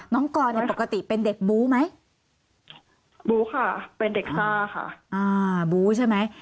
กรเนี่ยปกติเป็นเด็กบู๊ไหมบู๊ค่ะเป็นเด็กซ่าค่ะอ่าบู๊ใช่ไหม